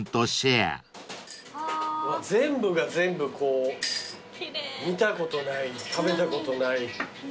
全部が全部見たことない食べたことない。